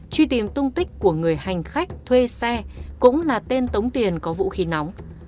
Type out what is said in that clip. truy tìm tung tích của người hành khách thuê xe cũng là tên tống tiền có vũ khí nóng